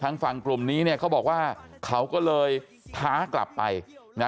ฝั่งกลุ่มนี้เนี่ยเขาบอกว่าเขาก็เลยท้ากลับไปนะ